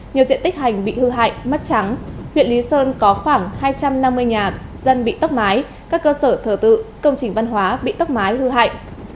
nhiều diện tích hành bị hư hại mất trắng huyện lý sơn có khoảng hai trăm năm mươi nhà dân bị tốc mái các cơ sở thờ tự công trình văn hóa bị tốc mái hư hại